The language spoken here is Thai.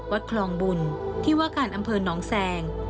วัดคลองบุญที่ว่าการอำเภอหนองแซง